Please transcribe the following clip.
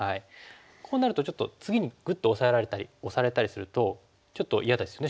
こうなるとちょっと次にグッとオサえられたりオサれたりするとちょっと嫌ですよね